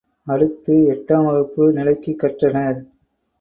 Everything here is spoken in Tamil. அடுத்து எட்டாம் வகுப்பு நிலைக்குக் கற்றனர்.